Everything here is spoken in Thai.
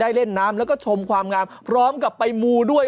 เล่นน้ำแล้วก็ชมความงามพร้อมกับไปมูด้วย